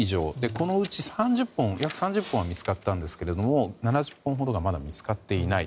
このうち約３０本は見つかったんですけれども７０本ほどがまだ見つかっていない。